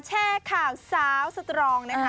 แชร์ข่าวสาวสตรองนะคะ